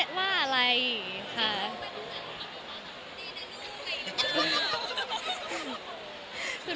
ก็ไม่ได้ว่าอะไรอีกค่ะ